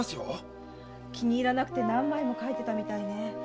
気に入らなくて何枚も描いてたみたいね。